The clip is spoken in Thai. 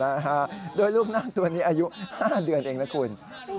เออโดยลูกหน้าตัวนี้อายุ๕เดือนเองนะคุณ